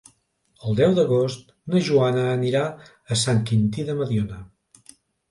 El deu d'agost na Joana anirà a Sant Quintí de Mediona.